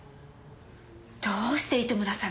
どうして糸村さんが？